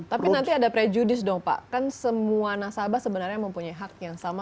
tapi nanti ada prejudis dong pak kan semua nasabah sebenarnya mempunyai hak yang sama